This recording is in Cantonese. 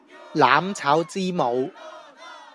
攬抄之母